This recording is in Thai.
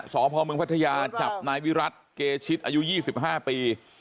สพมพัทยาจับนายวิรัติเกชิตอายุ๒๕ปี